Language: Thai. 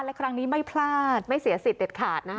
และครั้งนี้ไม่พลาดไม่เสียสิทธิ์เด็ดขาดนะคะ